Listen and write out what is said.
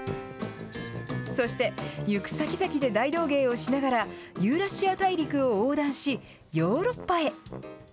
そして行く先々で大道芸をしながら、ユーラシア大陸を横断し、ヨーロッパへ。